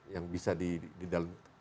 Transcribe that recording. yang bisa di dalam